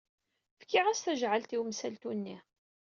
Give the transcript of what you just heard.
Fkiɣ-as tajaɛalt i umsaltu-nni.